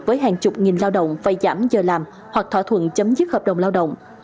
với hàng chục nghìn lao động phải giảm giờ làm hoặc thỏa thuận chấm dứt hợp đồng lao động